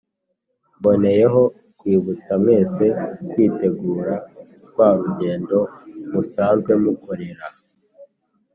mboneyeho kwibutsa mwese kwitegura rwa rugendo musanzwe mukorera